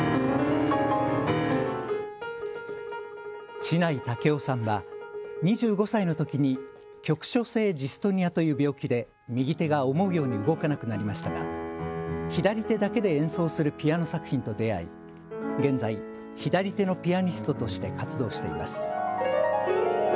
智内威雄さんは２５歳のときに局所性ジストニアという病気で右手が思うように動かなくなりましたが左手だけで演奏するピアノ作品と出会い、現在、左手のピアニストとして活動しています。